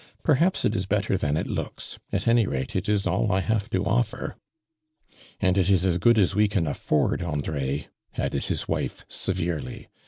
Perhaps it is better than it looks — at any rate it is all J have to offer." " And it is as good as we can afford, Andre," added his wife, severely.